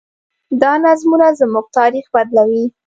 دا نظمونه زموږ تاریخ بدلوي.